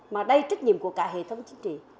mà đây trách nhiệm của cả hệ thống chính trị